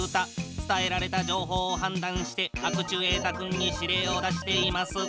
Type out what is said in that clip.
伝えられたじょうほうをはんだんしてアクチュエータ君に指令を出しています。